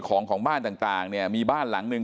ของของบ้านต่างเนี่ยมีบ้านหลังหนึ่ง